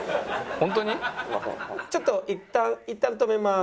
「ちょっといったんいったん止めます」。